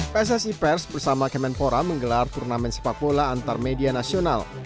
pssi pers bersama kemenpora menggelar turnamen sepak bola antar media nasional